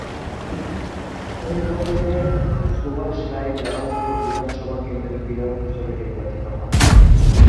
উপনির্বাচনে সুভাষ রাই জালালপুর বিধানসভা কেন্দ্রের বিধায়ক হিসেবে নির্বাচিত হন।